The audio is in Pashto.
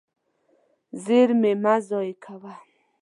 زېرمې مه ضایع کوه.